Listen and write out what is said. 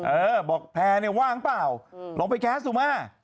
เออบอกแพร่เนี่ยว่างเปล่าลองไปแก๊สดูมา